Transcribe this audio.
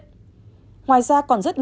ngoài ra còn rất nhiều người dân bị bệnh